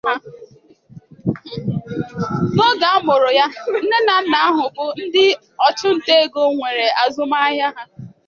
N'oge amụrụ ya, nne na nna ahụ bụ ndị ọchụnta ego, nwere azụmaahịa ha.